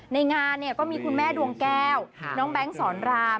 ในงานเนี่ยก็มีคุณแม่ดวงแก้วน้องแบงค์สอนราม